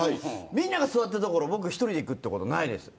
みんなが座っている所に、僕が一人で行くってことがないです。